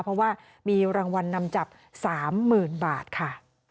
เพราะว่ามีรางวัลนำจับ๓๐๐๐บาทค่ะ